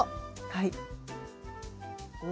はい。